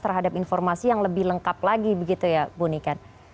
terhadap informasi yang lebih lengkap lagi begitu ya bu niken